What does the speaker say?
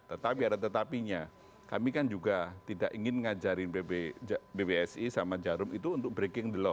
tetapi ada tetapinya kami kan juga tidak ingin ngajarin bbsi sama jarum itu untuk breaking the law